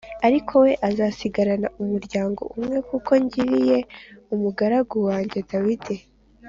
ariko we azasigarana umuryango umwe kuko ngiriye umugaragu wanjye Dawidi